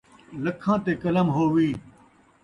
لکھاں تے قلم ہووی